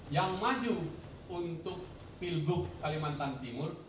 yang maju untuk pilgub kalimantan timur